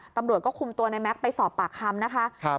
ตำรวจก็คุมตัวในแก๊กไปสอบปากคำนะคะ